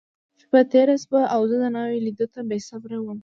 شپه تېره شوه، او زه د ناوې لیدو ته بېصبره وم.